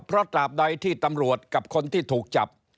เพราะตราบใดที่ตำรวจกับคนที่ถูกจับ